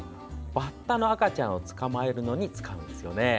バッタの赤ちゃんを捕まえるのに使うんですよね。